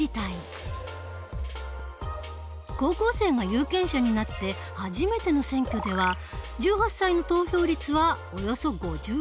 高校生が有権者になって初めての選挙では１８歳の投票率はおよそ５１％。